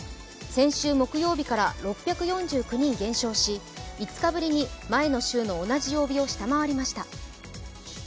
先週木曜日から６４９人減少し５日ぶりに前の週の同じ曜日を下回りました。